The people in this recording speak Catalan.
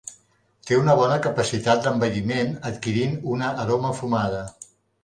Té una bona capacitat d'envelliment adquirint una aroma fumada.